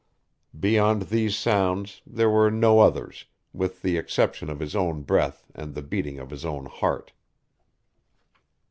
Beyond these sounds there were no others, with, the exception of his own breath and the beating of his own heart.